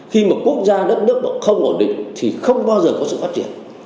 khi mà quốc gia đất nước nó không ổn định thì không bao giờ có sự phát triển